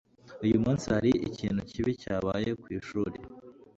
Uyu munsi hari ikintu kibi cyabaye ku ishuri?